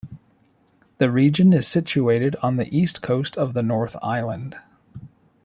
The region is situated on the east coast of the North Island.